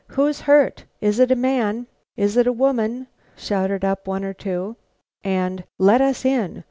"Who's hurt?" "Is it a man?" "Is it a woman?" shouted up one or two; and "Let us in!"